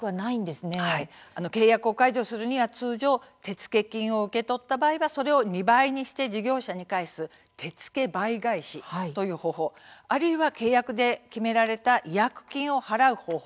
契約を解除するには通常手付金を受け取った場合はそれを２倍にして事業者に返す手付倍返しという方法、あるいは契約で決められた違約金を払う方法